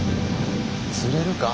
釣れるか？